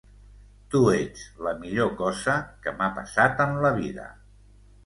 Tu ets la millor cosa que m'ha passat en la vida.